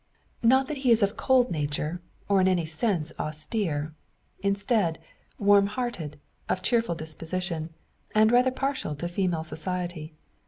Not that he is of cold nature, or in any sense austere; instead, warm hearted, of cheerful disposition, and rather partial to female society.